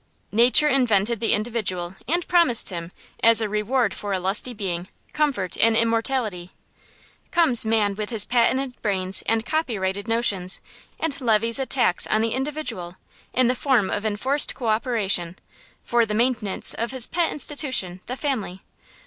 Nature invented the individual, and promised him, as a reward for lusty being, comfort and immortality. Comes man with his patented brains and copyrighted notions, and levies a tax on the individual, in the form of enforced coöperation, for the maintenance of his pet institution, the family.